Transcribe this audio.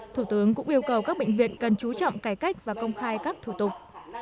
thủ tướng cũng yêu cầu các bệnh viện cần chú trọng cải cách và công khai các thủ tục